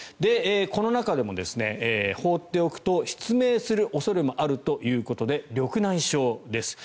この中でも放っておくと失明する恐れもあるということで緑内障です。